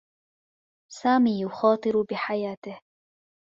سامي يخاطر بحياته.